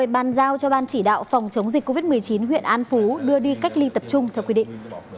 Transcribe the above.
bàn giao cho ban chỉ đạo phòng chống dịch covid một mươi chín huyện an phú đưa đi cách ly tập trung theo quy định